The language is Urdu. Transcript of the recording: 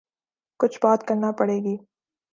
کچھ بات کرنا پڑے گی۔